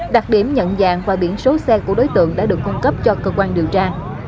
đặc điểm nhận dạng và biển số xe của đối tượng đã được cung cấp cho cơ quan điều tra